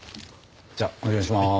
じゃあお願いします。